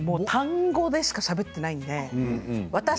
多分単語でしかしゃべっていないので私、